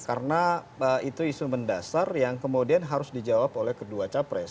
karena itu isu mendasar yang kemudian harus dijawab oleh kedua capres